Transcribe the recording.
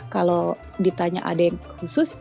kalau ditanya ada yang khusus